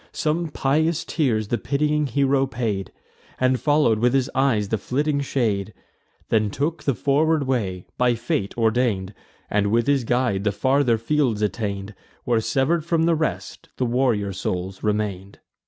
Some pious tears the pitying hero paid, And follow'd with his eyes the flitting shade, Then took the forward way, by fate ordain'd, And, with his guide, the farther fields attain'd, Where, sever'd from the rest, the warrior souls remain'd.